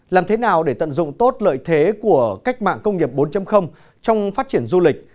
làm thế nào để tận dụng tốt lợi thế của cách mạng công nghiệp bốn trong phát triển du lịch